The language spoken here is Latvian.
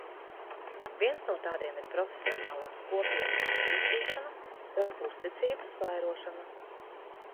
Viens no tādiem ir profesionālās kopienas attīstīšana un uzticības vairošana.